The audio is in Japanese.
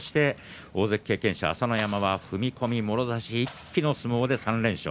大関経験者の朝乃山は踏み込み、もろ差し一気の相撲で３連勝。